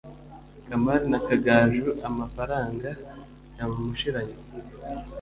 kamali na kagaju amafaranga yamushiranye